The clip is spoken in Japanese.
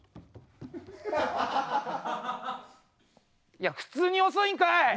いや普通に遅いんかい！